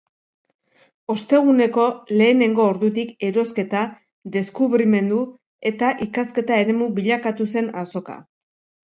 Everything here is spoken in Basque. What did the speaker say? Osteguneko lehenengo ordutik, erosketa, deskubrimendu eta ikasketa eremu bilakatu zen azoka.